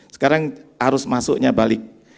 sekarang harus masuknya balik